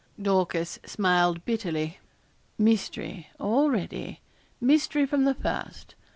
Dorcas smiled bitterly. 'Mystery already mystery from the first.